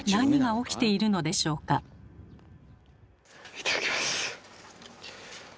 いただきます。